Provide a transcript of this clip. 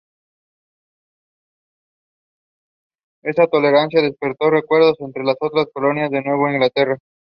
Those unable to pay are executed.